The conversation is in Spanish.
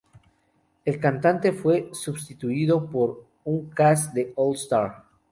El cantante fue substituido por un cast de all-star.